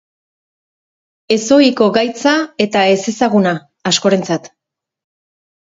Ezohiko gaitza eta ezezaguna askorentzat.